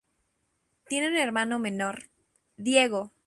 Tiene un hermano menor, Diego.